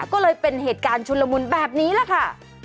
ก็เลยเป็นเหตุการณ์ชุนละมุนแบบนี้แหละค่ะ